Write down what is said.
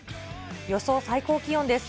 予想最高気温です。